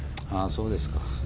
あぁそうですか。